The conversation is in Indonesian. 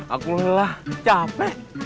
aku lelah capek